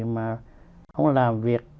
mà không làm việc